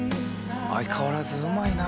相変わらずうまいな。